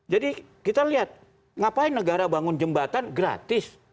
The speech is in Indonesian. jadi kita lihat ngapain negara bangun jembatan gratis